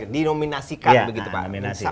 dinominasikan begitu pak